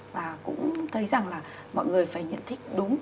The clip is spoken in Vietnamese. và cũng thấy rằng là mọi người phải nhận thức đúng